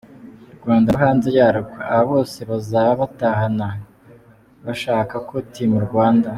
Rwanda no hanze yarwo, aba bose bazaba batahana nbashaka ko Team Rwanda